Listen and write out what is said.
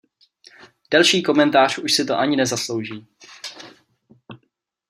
Delší komentář už si to ani nezaslouží.